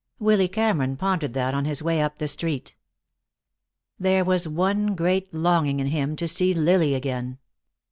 Willy Cameron pondered that on his way up the street. There was one great longing in him, to see Lily again.